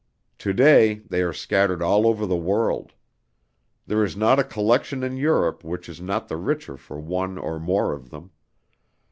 To day they are scattered all over the world. There is not a collection in Europe which is not the richer for one or more of them.